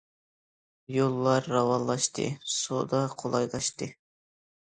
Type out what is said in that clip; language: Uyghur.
يوللار راۋانلاشتى، سودا قولايلاشتى.